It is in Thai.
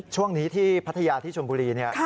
ช่วงนี้ที่พัทยาที่ชนบุรีเนี่ย